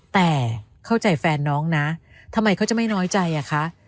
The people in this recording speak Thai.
แต่เข้าใจแฟนน้องนะทำไมเขาจะไม่น้อยใจอ่ะคะ